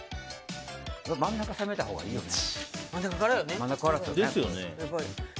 真ん中を攻めたほうがいいよね。